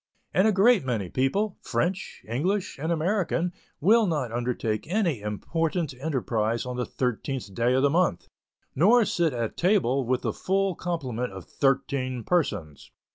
And a great many people, French, English, and American will not undertake any important enterprise on the thirteenth day of the month, nor sit at table with the full complement of thirteen persons.